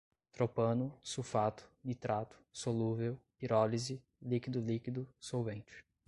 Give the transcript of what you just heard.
tropano, sulfato, nitrato, solúvel, pirólise, líquido-líquido, solvente